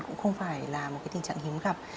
cũng không phải là một tình trạng hiếm gặp